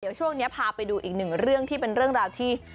เดี๋ยวช่วงนี้พาไปดูอีกหนึ่งเรื่องที่เป็นเรื่องราวที่